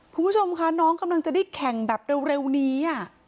คุณผู้ชมคะน้องกำลังจะได้แข่งแบบเร็วนี้